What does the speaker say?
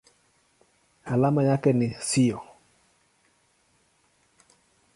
Alama yake ni SiO.